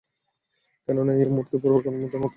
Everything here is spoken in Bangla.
কেননা, এই উম্মত পূর্বেকার উম্মতের মত নয়।